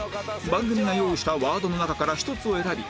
番組が用意したワードの中から１つを選び